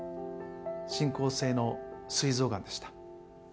進行性のすい臓がんでした。